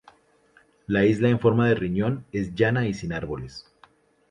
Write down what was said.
La isla en forma de riñón es llana y sin árboles.